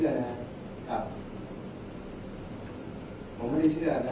แต่ว่าไม่มีปรากฏว่าถ้าเกิดคนให้ยาที่๓๑